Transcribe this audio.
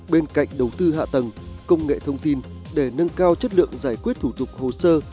bên cạnh đầu tư hạ tầng công nghệ thông tin để nâng cao chất lượng giải quyết thủ tục hồ sơ